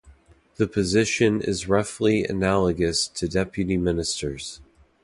The position is roughly analogous to deputy ministers.